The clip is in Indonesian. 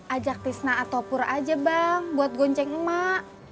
ajak tisna atau pur aja bang buat gonceng emak